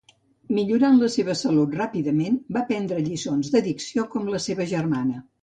Millorant la seva salut ràpidament, va prendre lliçons de dicció, com la seva germana.